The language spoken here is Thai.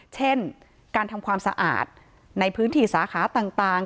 เช่นการทำความสะอาดในพื้นที่สาขาต่าง